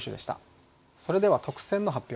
それでは特選の発表です。